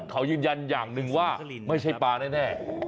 เขายืนยันอย่างนึงว่านับประดานาศยังได้